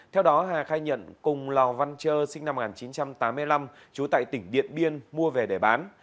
theo đó hà khai nhận cùng lò văn trơ sinh năm một nghìn chín trăm tám mươi năm trú tại tỉnh điện biên mua về để bán